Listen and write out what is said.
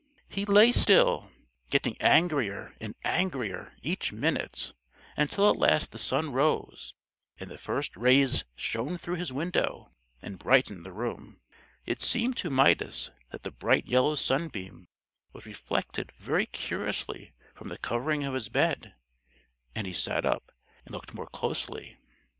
He lay still, getting angrier and angrier each minute until at last the sun rose, and the first rays shone through his window and brightened the room. It seemed to Midas that the bright yellow sunbeam was reflected very curiously from the covering of his bed, and he sat up and looked more closely.